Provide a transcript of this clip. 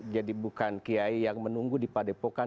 jadi bukan kiai yang menunggu dipadepokan